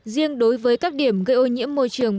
riêng đối với các điểm gây ô nhiễm môi trường